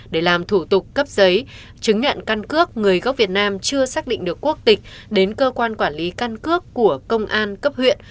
để làm thủ tục cấp giấy chứng nhận căn cước người gốc việt nam chưa xác định được quốc tịch đến cơ quan quản lý căn cước của công an cấp huyện